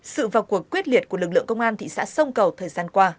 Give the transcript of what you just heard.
sự vào cuộc quyết liệt của lực lượng công an thị xã sông cầu thời gian qua